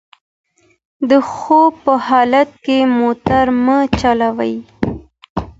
د خوب په حالت کې موټر مه چلوئ.